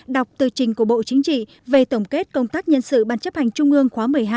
đọc tờ trình của bộ chính trị về tổng kết công tác nhân sự ban chấp hành trung ương khóa một mươi hai